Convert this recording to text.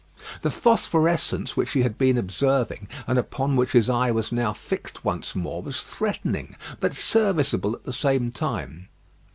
The phosphorescence which he had been observing, and upon which his eye was now fixed once more, was threatening, but serviceable at the same time.